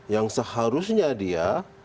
yang seharusnya dia